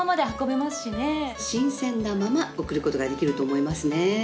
新鮮なまま送ることができると思いますね。